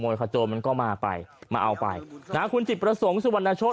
ขโจรมันก็มาไปมาเอาไปนะฮะคุณจิตประสงค์สุวรรณโชธ